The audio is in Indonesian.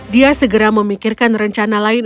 dia segera memikirkan rencana lain